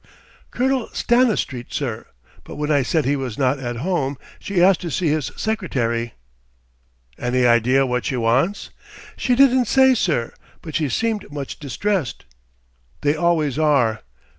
"Colonel Stanistreet, sir. But when I said he was not at home, she asked to see his secretary." "Any idea what she wants?" "She didn't say, sir but she seemed much distressed." "They always are.